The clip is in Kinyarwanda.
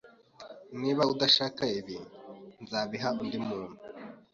Niba udashaka ibi, nzabiha undi muntu